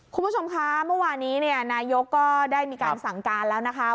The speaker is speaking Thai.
คุณผู้ชมคะเมื่อวานี้นายกก็ได้มีการสั่งการแล้วนะคะ